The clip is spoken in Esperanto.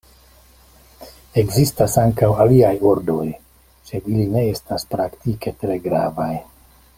Ekzistas ankaŭ aliaj ordoj, sed ili ne estas praktike tre gravaj.